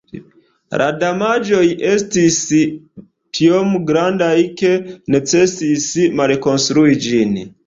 La damaĝoj estis tiom grandaj ke necesis malkonstrui ĝin.